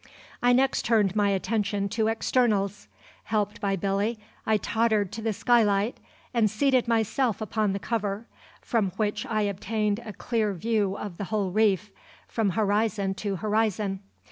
I next turned my attention to externals. Helped by Billy, I tottered to the skylight and seated myself upon the cover, from which I obtained a clear view of the whole reef, from horizon to horizon.